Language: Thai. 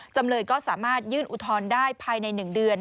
จำเลยก็สามารถยื่นอุทธรณ์ได้ภายใน๑เดือน